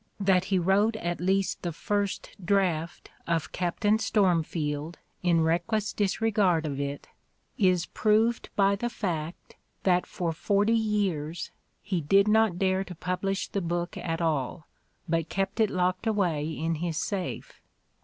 That he wrote at least the first draft of "Cap tain Stormfield" in reckless disregard of it is proved by the fact that for forty years he did not dare to publish the book at all but kept it locked away in his safe.